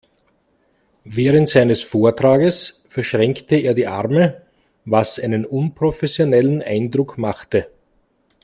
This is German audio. Während seines Vortrages verschränkte er die Arme, was einen unprofessionellen Eindruck machte.